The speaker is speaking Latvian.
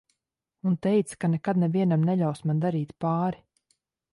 Un teica, ka nekad nevienam neļaus man darīt pāri.